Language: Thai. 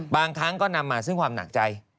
บางครั้งก็นำมาซึ่งความหนักใจ